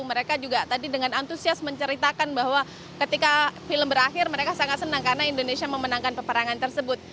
mereka juga tadi dengan antusias menceritakan bahwa ketika film berakhir mereka sangat senang karena indonesia memenangkan peperangan tersebut